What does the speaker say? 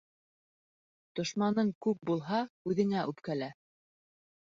Дошманың күп булһа, үҙеңә үпкәлә.